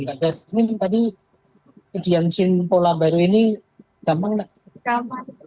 mbak jasmin tadi kejian sim pola baru ini gampang nggak